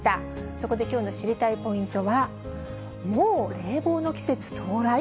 そこできょうの知りたいポイントは、もう冷房の季節到来？